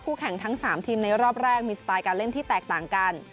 แข่งทั้ง๓ทีมในรอบแรกมีสไตล์การเล่นที่แตกต่างกัน